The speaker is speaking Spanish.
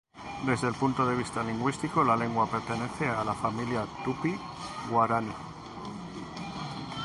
Desde el punto de vista lingüístico la lengua pertenece a la familia tupí-guaraní.